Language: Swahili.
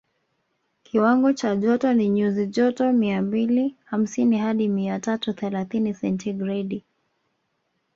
Kiwango cha joto ni nyuzi joto mia mbili hamsini hadi mia tatu thelathini sentigredi